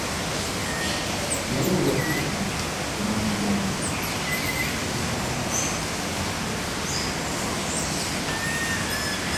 Naye bwe yatuuka nga amugamba nga abewaka bwe bamutumidde .